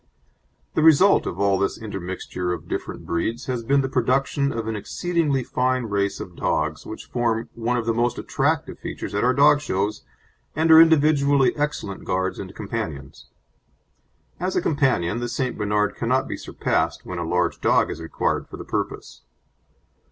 The result of all this intermixture of different breeds has been the production of an exceedingly fine race of dogs, which form one of the most attractive features at our dog shows, and are individually excellent guards and companions. As a companion, the St. Bernard cannot be surpassed, when a large dog is required for the purpose.